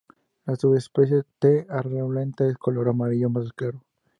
La subespecie "T.a.aurulenta" es color amarillo más claro.